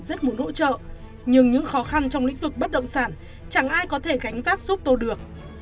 rất muốn hỗ trợ nhưng những khó khăn trong lĩnh vực bất động sản chẳng ai có thể gánh vác giúp tôi được